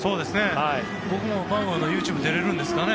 僕もバウアーのＹｏｕｔｕｂｅに出られるんですかね。